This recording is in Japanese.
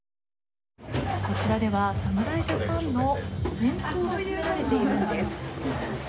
こちらでは侍ジャパンのお弁当が詰められているんです。